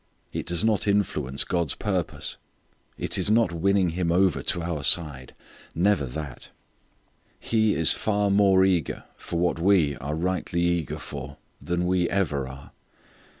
It does not influence God's purpose. It is not winning Him over to our side; never that. He is far more eager for what we are rightly eager for than we ever are.